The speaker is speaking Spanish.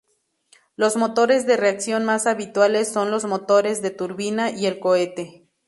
Los motores de reacción más habituales son los motores de turbina y el cohete.